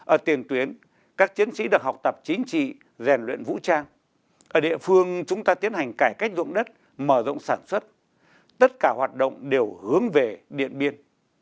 ở tiền tuyến các chiến sĩ được học tập chính trị rèn luyện vũ trang ở địa phương chúng ta tiến hành cải cách dụng đất mở rộng sản xuất tất cả hoạt động đều hướng về điện biên